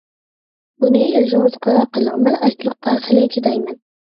بۇنى ئۆزىڭىز قارار قىلىڭ، مەن ئاچلىققا خېلى چىدايمەن.